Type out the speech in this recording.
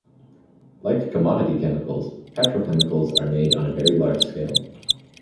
Like commodity chemicals, petrochemicals are made on a very large scale.